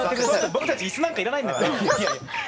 僕たち椅子なんか要らないんだから。